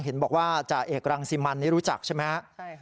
เห็นบอกว่าเอกรังซีมันนี่รูจักใช่ไหม